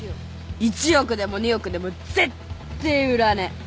１億でも２億でもぜってえ売らねえ。